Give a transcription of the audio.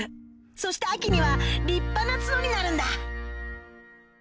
そして秋には立派な角になるんだ